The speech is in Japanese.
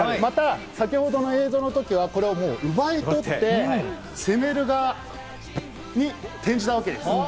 先ほどの映像のときは、これを奪い取って、攻める側に転じたわけです。